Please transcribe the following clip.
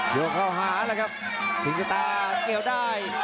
ยกเข้าหาเลยครับทิ้งตาเกลวได้